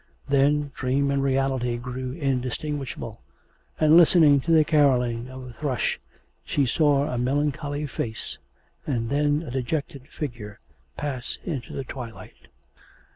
Then dream and reality grew undistinguishable, and listening to the carolling of a thrush she saw a melancholy face, and then a dejected figure pass into the twilight.